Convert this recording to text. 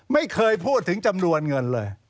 ไม่เคยพูดถึงจำนวนเงินเลย